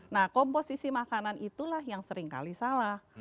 nah komposisi makanan itulah yang seringkali salah